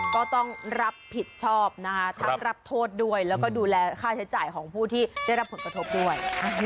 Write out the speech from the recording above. ก็ต้องรับผิดชอบนะคะรับทดดูกดูแลค่าใช้จ่ายของผู้ที่ได้รับผลประทบด้วย